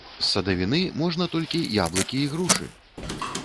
З садавіны можна толькі яблыкі і грушы!!!